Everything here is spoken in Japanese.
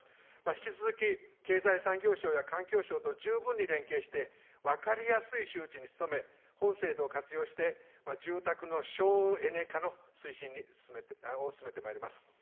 引き続き経済産業省や環境省と十分に連携して、分かりやすい周知に努め、本制度を活用して住宅の省エネ化の推進を進めてまいります。